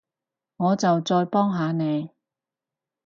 我就再幫下你